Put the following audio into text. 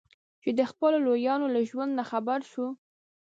چې د خپلو لویانو له ژوند نه خبر شو.